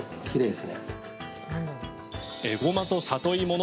きれいですね。